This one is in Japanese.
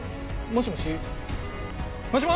もしもし！